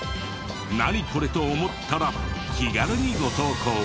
「ナニコレ？」と思ったら気軽にご投稿を。